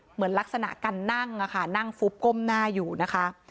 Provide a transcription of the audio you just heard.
เหมือนลักษณะการนั่งอะค่ะนั่งฟุบก้มหน้าอยู่นะคะ